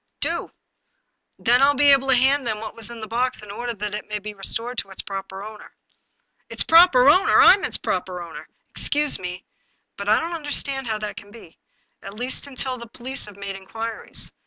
" Do ! Then I shall be able to hand to them what was in the box in order that it may be restored to its proper owner." " Its proper owner ! I'm its proper owner !"" Excuse me, but I don't understand how that can be ; at least, until the police have made inquiries.